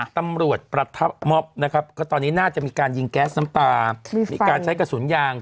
ตำรวจประทับม็อบนะครับก็ตอนนี้น่าจะมีการยิงแก๊สน้ำตามีการใช้กระสุนยาง